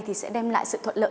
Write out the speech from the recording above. thì sẽ đem lại sự thuận lợi